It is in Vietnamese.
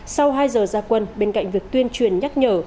sau hai giờ gia quân bên cạnh việc tuyên truyền nhắc nhở